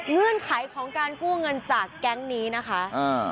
เงื่อนไขของการกู้เงินจากแก๊งนี้นะคะอ่า